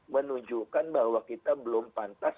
menunjukkan bahwa kita belum pantas